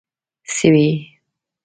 سويي